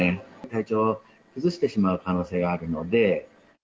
体調を崩してしまう可能性があるので。